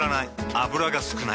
油が少ない。